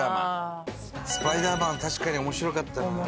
スパイダーマンは確かに面白かったな。